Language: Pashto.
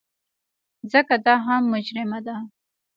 ځکه دا هم مجرمه ده.